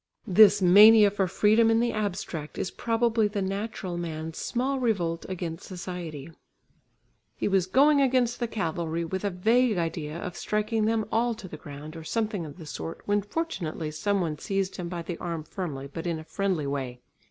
This mania for freedom in the abstract is probably the natural man's small revolt against society. He was going against the cavalry with a vague idea of striking them all to the ground or something of the sort, when fortunately some one seized him by the arm firmly but in a friendly way.